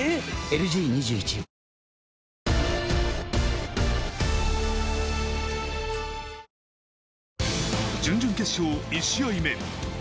⁉ＬＧ２１準々決勝１試合目。